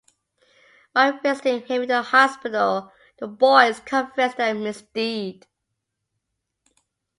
While visiting him in the hospital, the boys confess their misdeed.